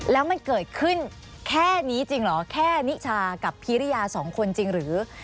แล้วมันเกิดขึ้นแค่นี้จริงเหรอแค่นิชากับพิริยาสองคนจริงหรือ